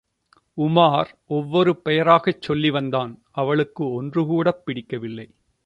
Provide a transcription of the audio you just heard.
உமார் ஒவ்வொரு பெயராகச் சொல்லி வந்தான், அவளுக்கு ஒன்றுகூடப் பிடிக்கவில்லை.